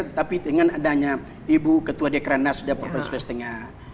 tetapi dengan adanya ibu ketua dekranas sudah berperan suestinya